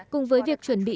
cùng với việc chuẩn bị